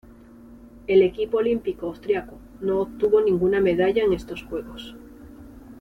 El equipo olímpico austríaco no obtuvo ninguna medalla en estos Juegos.